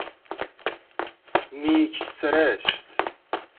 نیک سرشت